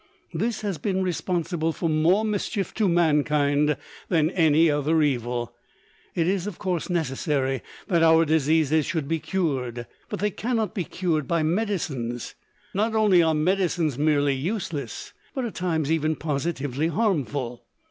This has been responsible for more mischief to mankind than any other evil. It is of course, necessary that our diseases should be cured, but they cannot be cured by medicines. Not only are medicines merely useless, but at times even positively harmful.